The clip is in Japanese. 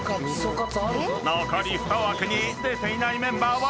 ［残り２枠に出ていないメンバーは４人］